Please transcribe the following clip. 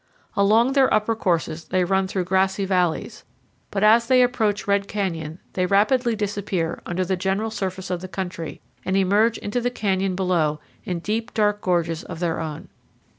Along their upper courses they run through grassy valleys, but as they approach Red Canyon they rapidly disappear under the general surface of the country, and emerge into the canyon below in 146 CANYONS OF THE COLORADO. deep, dark gorges of their own.